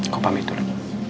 kau pamit dulu